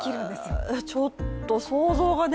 へえ、ちょっと想像がね